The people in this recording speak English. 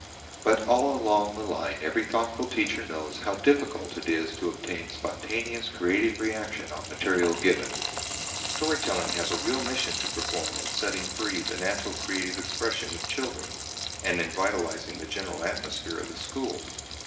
But all along the line every thoughtful teacher knows how difficult it is to obtain spontaneous, creative reaction on material given. Story telling has a real mission to perform in setting free the natural creative expression of children, and in vitalising the general atmosphere of the school.